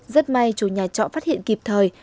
rất may chủ nhà trọ phát hiện kịp thời